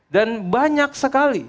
dan banyak sekali